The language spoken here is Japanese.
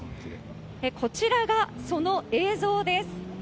こちらがその映像です。